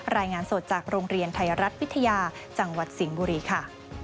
รายงานสดจากโรงเรียนไทยรัฐวิทยาจังหวัดสิงห์บุรีค่ะ